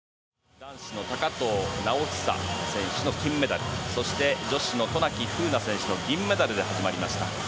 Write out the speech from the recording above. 男子の高藤直寿選手の金メダルそして女子の渡名喜風南選手の銀メダルが決まりました。